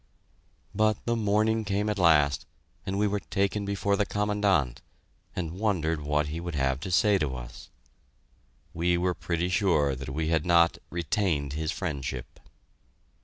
But the morning came at last, and we were taken before the Commandant, and wondered what he would have to say to us. We were pretty sure that we had not "retained his friendship."